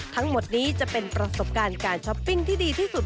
ทั้งหมดนี้จะเป็นประสบการณ์การช้อปปิ้งที่ดีที่สุด